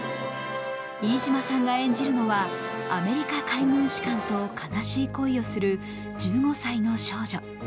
飯島さんが演じるのはアメリカ海軍士官と悲しい恋をする１５歳の少女。